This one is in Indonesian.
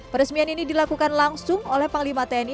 peresmian ini dilakukan langsung oleh panglima tni